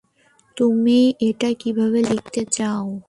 তুমি এটা কীভাবে লিখতে চাও?